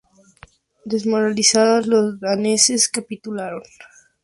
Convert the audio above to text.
Desmoralizados, los daneses capitularon.